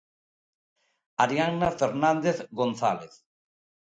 Ariadna Fernández González.